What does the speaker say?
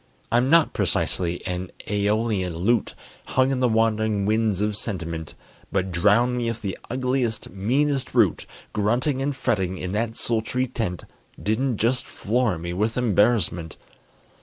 I'm not precisely an æolian lute Hung in the wandering winds of sentiment, But drown me if the ugliest, meanest brute Grunting and fretting in that sultry tent Didn't just floor me with embarrassment!